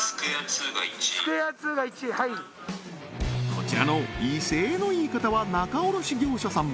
こちらの威勢のいい方は仲卸業者さん